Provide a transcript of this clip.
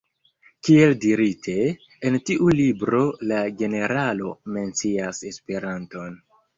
Kiel dirite, en tiu libro la generalo mencias Esperanton.